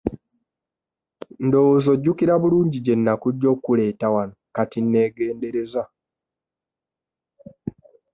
Ndowooza ojjukira bulungi gye nakujja okkuleeta wano kati neegendereza.